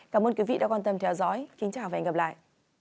cảm ơn quý vị đã quan tâm theo dõi kính chào và hẹn gặp lại